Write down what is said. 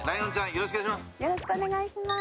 よろしくお願いします！